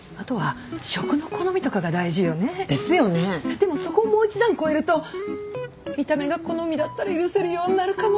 でもそこをもう一段越えると見た目が好みだったら許せるようになるかも。